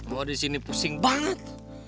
mau disini pusing banget